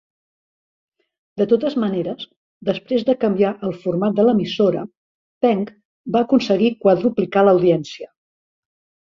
De totes maneres, després de canviar el format de l'emissora, Penk va aconseguir quadruplicar l'audiència.